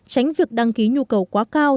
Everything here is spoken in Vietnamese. tránh việc đăng ký nhu cầu quá cao